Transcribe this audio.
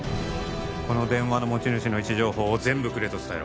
この電話の持ち主の位置情報を全部くれと伝えろ